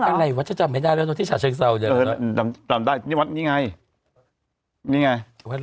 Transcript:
วัดอันไหนวัดจะจำไม่ได้แล้วตอนที่ฉาเชิงเศร้าเดี๋ยวเออจำได้นี่วัดนี่ไงนี่ไง